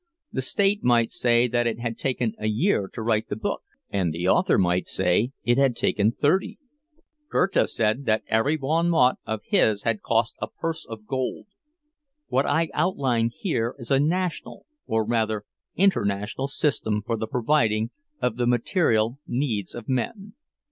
The state might say that it had taken a year to write the book, and the author might say it had taken thirty. Goethe said that every bon mot of his had cost a purse of gold. What I outline here is a national, or rather international, system for the providing of the material needs of men.